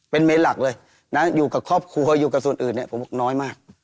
เป็นเมนหลักเลยนะอยู่กับครอบครัวอยู่กับส่วนอื่นเนี่ยผมบอกน้อยมาก